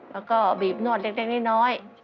แล้วก็บีบนวดเล็กน้อย